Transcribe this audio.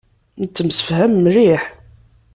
Nettemsefham mliḥ.